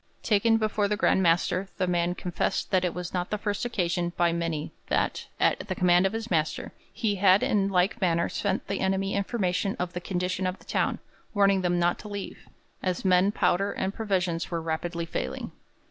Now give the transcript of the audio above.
Taken before the Grand Master the man confessed that it was not the first occasion by many that, at the command of his master, he had in like manner sent the enemy information of the condition of the town, warning them not to leave, as men, powder, and provisions were rapidly failing.